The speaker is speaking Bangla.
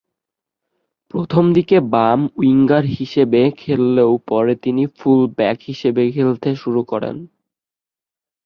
প্রথমদিকে বাম উইঙ্গার হিসেবে খেললেও পরে তিনি ফুল ব্যাক হিসেবে খেলতে শুরু করেন।